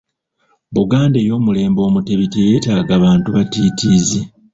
Buganda ey’omulembe Omutebi teyeetaaga bantu batiitiizi.